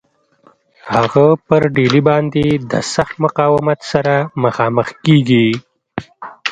هغه پر ډهلي باندي د سخت مقاومت سره مخامخ کیږي.